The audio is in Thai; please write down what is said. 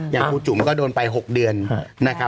อย่างครูจุ๋มก็โดนไป๖เดือนนะครับ